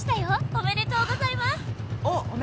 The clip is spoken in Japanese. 「おめでとうございます」